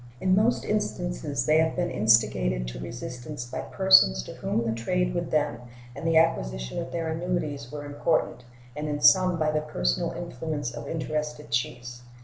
In most instances they have been instigated to resistance by persons to whom the trade with them and the acquisition of their annuities were important, and in some by the personal influence of interested chiefs.